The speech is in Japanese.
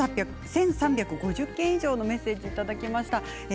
１３５０件以上のメッセージをいただきました。